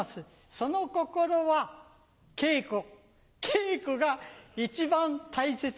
その心は稽古ケイコが一番大切です。